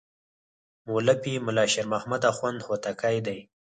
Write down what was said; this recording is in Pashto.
مؤلف یې ملا شیر محمد اخوند هوتکی دی.